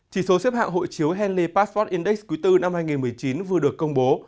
chỉ số xếp hạng hội chiếu henley passport index cuối tư năm hai nghìn một mươi chín vừa được công bố